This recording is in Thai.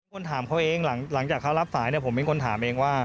คนถามเขาเองหลังจากเขารับสายเนี่ยผมเป็นคนถามเองว่า